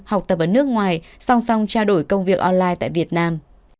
học tập ở nước ngoài song song trao đổi công việc online tại việt nam